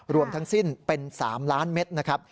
รวมทั้งสิ้นเป็น๓ล้านเมตรนะครับ